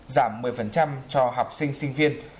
giảm một mươi cho học sinh sinh viên